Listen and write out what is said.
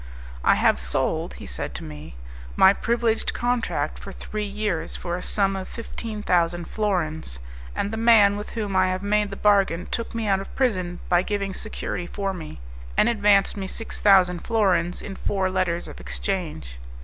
"I have sold," he said to me, "my privileged contract for three years for a sum of fifteen thousand florins, and the man with whom I have made the bargain took me out of prison by giving security for me, and advanced me six thousand florins in four letters of exchange."